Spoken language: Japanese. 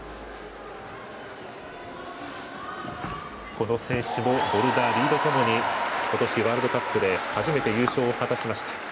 この選手もボルダーリードともに今年、ワールドカップで初めて優勝を果たしました。